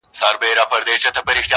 وروڼه له وروڼو څخه بیریږي،